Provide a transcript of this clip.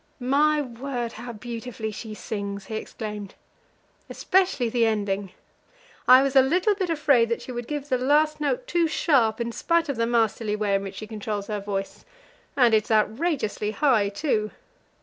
"My word, how beautifully she sings!" he exclaimed; "especially the ending. I was a little bit afraid that she would give the last note too sharp, in spite of the masterly way in which she controls her voice. And it is outrageously high, too.